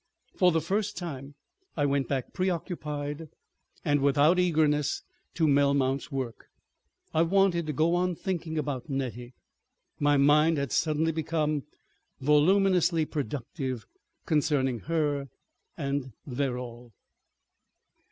For the first time I went back preoccupied and without eagerness to Melmount's work. I wanted to go on thinking about Nettie; my mind had suddenly become voluminously productive concerning her and Verrall.